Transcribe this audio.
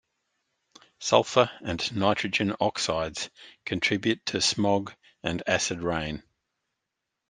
Sulfur and nitrogen oxides contribute to smog and acid rain.